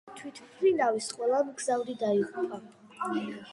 ოთხივე თვითმფრინავის ყველა მგზავრი დაიღუპა.